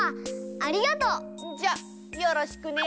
ありがとう！じゃよろしくね。